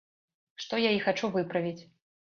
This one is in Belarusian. Што я і хачу выправіць.